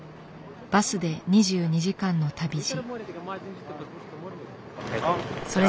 バスで２２時間の旅路。